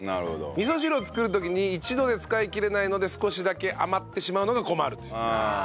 味噌汁を作る時に一度で使いきれないので少しだけ余ってしまうのが困ると。